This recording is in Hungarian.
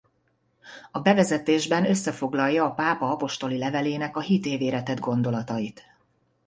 A bevezetésben összefoglalja a pápa apostoli levelének a hit évére tett gondolatait.